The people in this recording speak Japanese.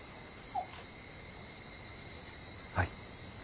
はい。